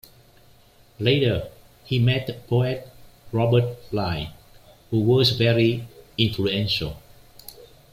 Later he met poet Robert Bly, who was very influential.